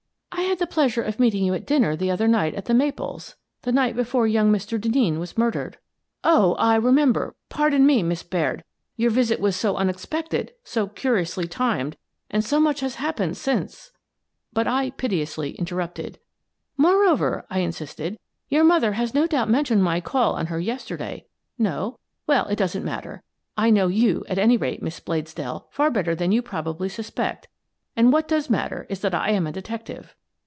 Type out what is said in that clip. " I had the pleasure of meeting you at dinner the other night at 'The Maples' — the night before young Mr. Denneen was murdered." "Oh, I remember! Pardon me, Miss Baird. Your visit was so unexpected, so curiously timed, and so much has happened since —" But I pitilessly interrupted. " Moreover," I insisted, " your mother has no doubt mentioned my call on her yesterday. No? Well, it doesn't matter. I know you, at any rate, Miss Bladesdell, far better than you probably sus pect, and what does matter is that I am a detec tive."